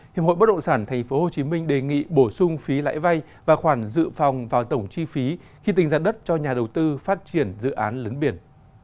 hiệp hội bất động sản tp hcm đề nghị bổ sung phí lãi vay và khoản dự phòng vào tổng chi phí khi tình giặt đất cho nhà đầu tư phát triển dự án lấn biển